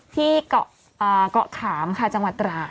ที่เกาะเกาะขามค่ะจังหวัดตราด